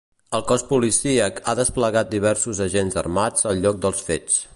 El cos policíac ha desplegat diversos agents armats al lloc dels fets.